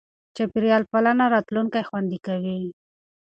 چاپېریال پالنه راتلونکی خوندي کوي.